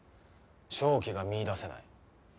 勝機が見いだせない。